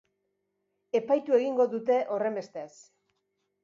Epaitu egingo dute, horrenbestez.